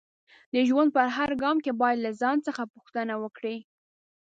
د ژوند په هر ګام کې باید له ځان څخه پوښتنه وکړئ